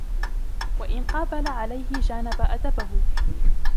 وَإِنْ قَابَلَ عَلَيْهِ جَانَبَ أَدَبَهُ